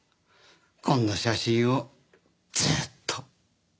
こんな写真をずっと。